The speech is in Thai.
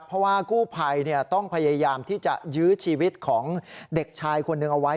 เพราะว่ากู้ภัยต้องพยายามที่จะยื้อชีวิตของเด็กชายคนหนึ่งเอาไว้